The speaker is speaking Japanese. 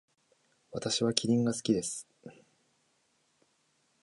私はキリンが好きです。